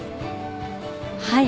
はい。